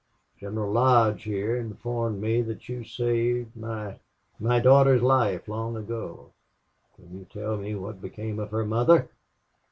"General Lodge here informed me that you saved my my daughter's life long ago.... Can you tell me what became of her mother?"